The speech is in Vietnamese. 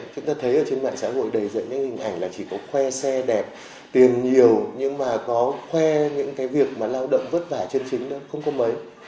chúng ta thấy ở trên mạng xã hội đầy dẫn những hình ảnh là chỉ có khoe xe đẹp tiền nhiều nhưng mà có khoe những cái việc mà lao động vất vả chân chính nữa không có mấy